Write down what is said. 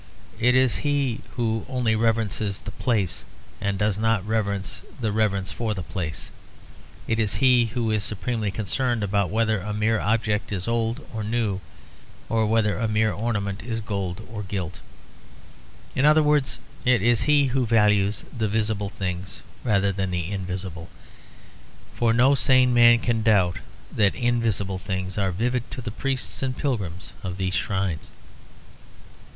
It is he who only reverences the place, and does not reverence the reverence for the place. It is he who is supremely concerned about whether a mere object is old or new, or whether a mere ornament is gold or gilt. In other words, it is he who values the visible things rather than the invisible; for no sane man can doubt that invisible things are vivid to the priests and pilgrims of these shrines.